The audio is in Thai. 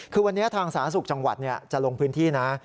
คือวันนี้ทางสาธารณสุขจังหวัดจะลงพื้นที่นะ